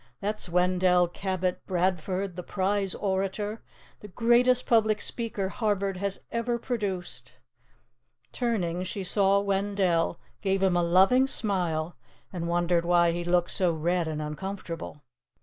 That's Wendell Cabot Bradford, the prize orator, the greatest public speaker Harvard has ever produced.'" Turning, she saw Wendell, gave him a loving smile, and wondered why he looked so red and uncomfortable.